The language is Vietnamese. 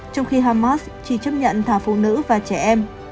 trong khi hamas chỉ chấp nhận thả phụ nữ và trẻ em